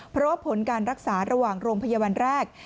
เพราะว่าผลการรักษาระหว่างโรงพยาบาลแรก